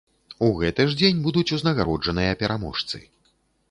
У гэты ж дзень будуць узнагароджаныя пераможцы.